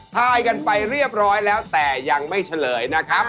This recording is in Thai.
ถ่ายกันไปเรียบร้อยแล้วแต่ยังไม่เฉลยนะครับ